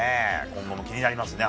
今後も気になりますね。